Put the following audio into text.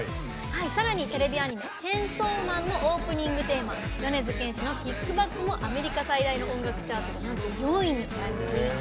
さらにテレビアニメ「チェンソーマン」のオープニングテーマ、米津玄師の「ＫＩＣＫＢＡＣＫ」もアメリカ最大の音楽チャートでなんと４位にランクイン。